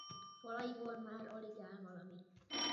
Falaiból már alig áll valami.